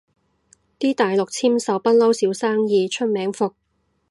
啲大陸簽售不嬲少生意，出名伏